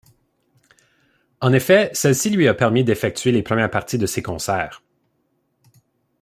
En effet, celle-ci lui a permis d'effectuer les premières parties de ses concerts.